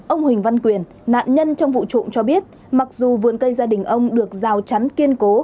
ông huỳnh văn quyền nạn nhân trong vụ trộm cho biết mặc dù vườn cây gia đình ông được rào chắn kiên cố